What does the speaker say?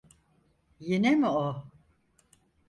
Yine mi o?